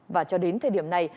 và cho đến thời điểm này